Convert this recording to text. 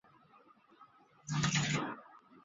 小值贺机场是位于长崎县北松浦郡小值贺町。